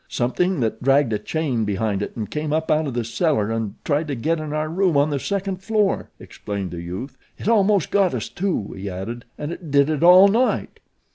"Something that dragged a chain behind it and came up out of the cellar and tried to get in our room on the second floor," explained the youth. "It almost got us, too," he added, "and it did it all night."